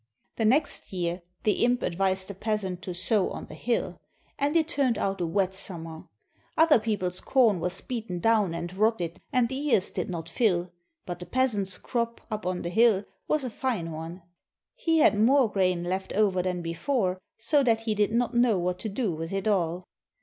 The next year the imp advised the peasant to sow on the hill; and it turned out a wet simimer. Other people's corn was beaten down and rotted and the ears did not fill; but the peasant's crop, up on the hill, was a fine one. He had more grain left over than before, so that he did not know what to do with it all.